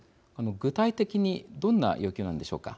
具体的にどんな要求なんでしょうか。